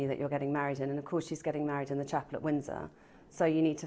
dekatannya harus sesuai dengan venue yang anda berkahwin di dan tentu saja dia berkahwin di chapel di windsor